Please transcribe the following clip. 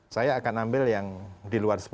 saya akan ambil yang di luar sepuluh